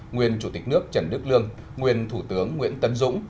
nguyên chủ tịch nước trần đức lương nguyên thủ tướng nguyễn tấn dũng